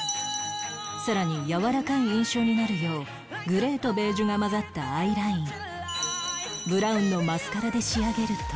さらにやわらかい印象になるようグレーとベージュが混ざったアイラインブラウンのマスカラで仕上げると